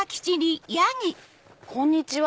こんにちは。